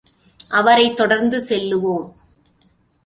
அவரைத் தொடர்ந்து செல்லுவோம்.